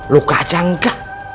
luka aja enggak